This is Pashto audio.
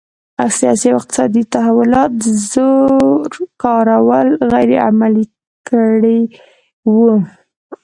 سیاسي او اقتصادي تحولات زور کارول غیر عملي کړي وو.